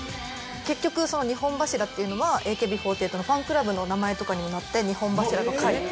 結局その二本柱っていうのはＡＫＢ４８のファンクラブの名前とかにもなって「二本柱の会」。